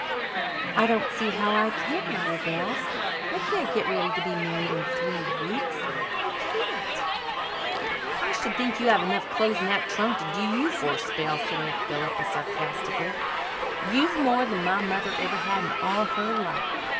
"I don't see how I can," I gasped. "I can't get ready to be married in three weeks. I can't " "I should think you have enough clothes in that trunk to do you for a spell," said Aunt Philippa sarcastically. "You've more than my mother ever had in all her life.